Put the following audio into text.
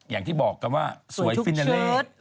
อย่างที่บอกกันว่าสวยทุกชุด